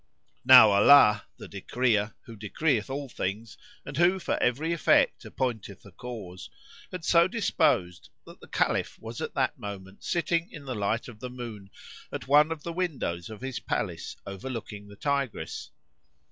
Now Allah, the Decreer who decreeth all things and who for every effect appointeth a cause, had so disposed that the Caliph was at that moment sitting in the light of the moon at one of the windows of his palace overlooking the Tigris.